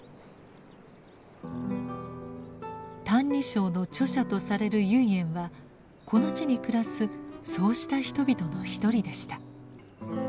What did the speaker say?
「歎異抄」の著者とされる唯円はこの地に暮らすそうした人々の一人でした。